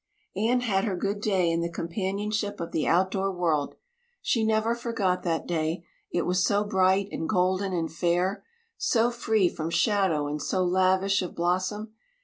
Anne had her good day in the companionship of the outdoor world. She never forgot that day; it was so bright and golden and fair, so free from shadow and so lavish of blossom.